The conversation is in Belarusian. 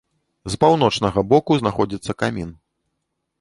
З паўночнага боку знаходзіцца камін.